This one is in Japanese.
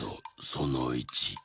その１。